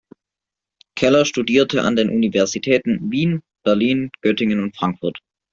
Keller studierte an den Universitäten Wien, Berlin, Göttingen und Frankfurt.